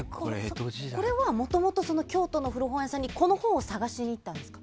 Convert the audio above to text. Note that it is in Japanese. これはもともと京都の古本屋さんにこの本を探しに行ったんですか？